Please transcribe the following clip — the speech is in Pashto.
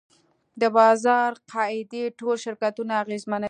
د بازار قاعدې ټول شرکتونه اغېزمنوي.